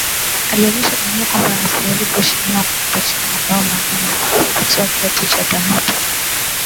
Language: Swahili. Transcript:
alionyesha dunia kwamba anastahili kuheshimiwa kwa kupachika mabao manane na kutwaa kiatu cha dhahabu